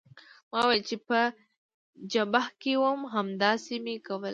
ما وویل چې په جبهه کې وم همداسې مې کول.